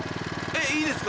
いいですか？